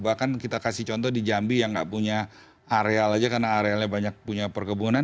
bahkan kita kasih contoh di jambi yang gak punya area aja karena area nya banyak punya perkebunan